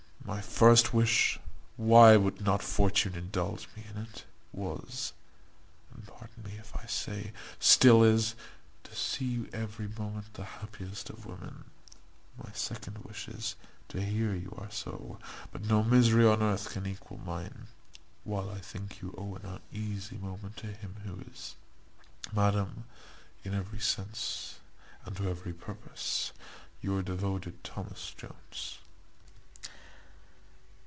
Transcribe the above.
My first wish (why would not fortune indulge me in it?) was, and pardon me if I say, still is, to see you every moment the happiest of women; my second wish is, to hear you are so; but no misery on earth can equal mine, while I think you owe an uneasy moment to him who is, Madam, in every sense, and to every purpose, your devoted, THOMAS JONES."